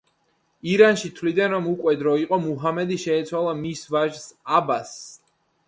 ირანში თვლიდნენ, რომ უკვე დრო იყო მუჰამადი შეეცვალა მის ვაჟს, აბასს.